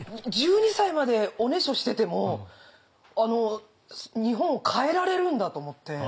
１２歳までおねしょしてても日本を変えられるんだと思って。